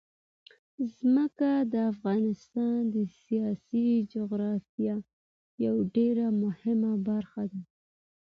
ځمکه د افغانستان د سیاسي جغرافیه یوه ډېره مهمه برخه ده.